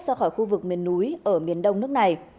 ra khỏi khu vực miền núi ở miền đông nước này